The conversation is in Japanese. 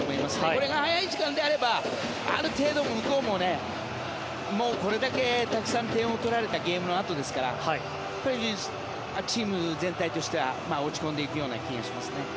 これが早い時間であればある程度、向こうもこれだけたくさん点を取られたゲームのあとですからチーム全体としては落ち込んでいくような気がしますね。